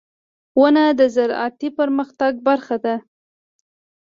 • ونه د زراعتي پرمختګ برخه ده.